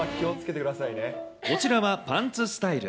こちらはパンツスタイル。